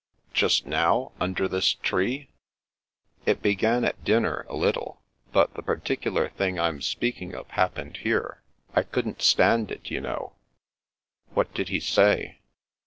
" Just now — ^under this tree? "" It began at dinner, a little. But the particular thing I'm speaking of happened here. I couldn't stand it, you know." "What did he say?"